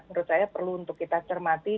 menurut saya perlu untuk kita cermati